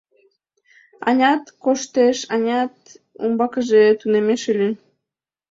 Анят коштеш, анят умбакыже тунемеш ыле.